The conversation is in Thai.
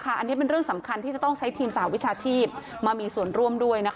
อันนี้เป็นเรื่องสำคัญที่จะต้องใช้ทีมสหวิชาชีพมามีส่วนร่วมด้วย